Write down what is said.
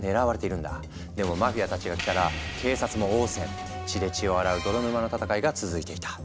でもマフィアたちが来たら警察も応戦血で血を洗う泥沼の戦いが続いていた。